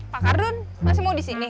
pak kardun masih mau di sini